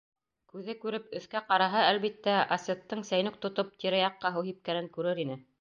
Күҙе күреп, өҫкә ҡараһа, әлбиттә, Асеттең сәйнүк тотоп тирә-яҡҡа һыу һипкәнен күрер ине.